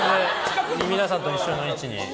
皆さんと一緒の位置に。